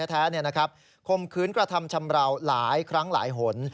แท้คมคืนกระทำชำราวหลายครั้งหลายหน